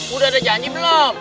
udah ada janji belum